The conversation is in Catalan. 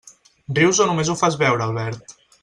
Rius o només ho fas veure, Albert?